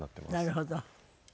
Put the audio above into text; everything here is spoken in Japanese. なるほど。